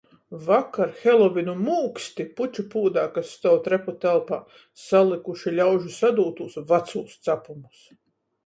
Vakar Helovinu mūksti puču pūdā, kas stuov trepu telpā, salykuši ļaužu sadūtūs vacūs capumus.